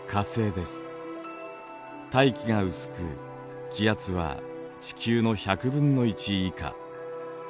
大気が薄く気圧は地球の１００分の１以下。